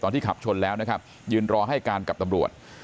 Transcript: ที่ขับชนแล้วนะครับยืนรอให้การกับตำรวจ